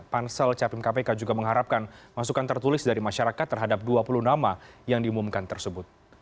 pansel capim kpk juga mengharapkan masukan tertulis dari masyarakat terhadap dua puluh nama yang diumumkan tersebut